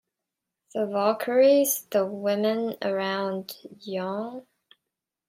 The Valkyries: The Women around Jung.